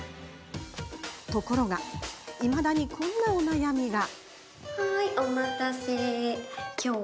ところがいまだに、こんなお悩みが。